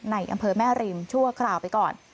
ในอำเภอแม่ริมชั่วคราวไปก่อน